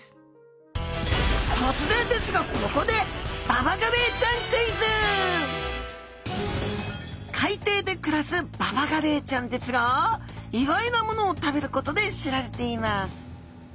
突然ですがここで海底で暮らすババガレイちゃんですが意外なものを食べることで知られています。